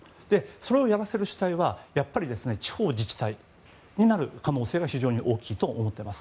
それをやらせる主体はやっぱり地方自治体になる可能性が非常に大きいと思っています。